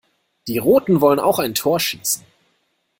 Die Roten wollen auch ein Tor schießen.